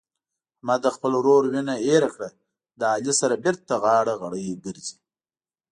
احمد د خپل ورور وینه هېره کړه له علي سره بېرته غاړه غړۍ ګرځي.